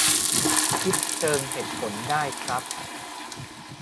คิดเชิงเหตุผลได้ครับ